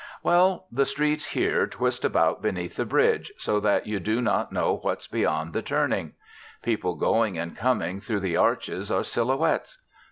Well, the streets here twist about beneath the Bridge, so that you do not know what's beyond the turning. People going and coming through the arches are silhouettes.